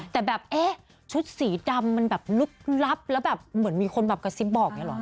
แต่แบบเอ๊ะชุดสีดำมันแบบลึกลับแล้วแบบเหมือนมีคนแบบกระซิบบอกอย่างนี้เหรอ